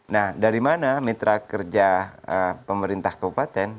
nah dari mana mitra kerja pemerintah kabupaten